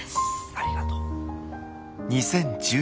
ありがとう。